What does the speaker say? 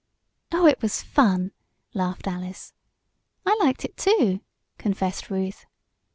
"Oh, it was fun!" laughed Alice. "I liked it, too," confessed Ruth.